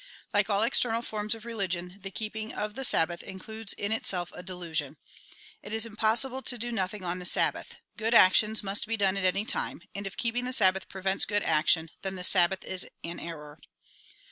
Like all external forms of reUgion, the keeping of the Sabbath includes in itself a delusion. It is im possible to do nothing on the Sabbath. Good actions must be done at any time ; and if keeping the Sabbath prevents good action, then the Sabbath is an error."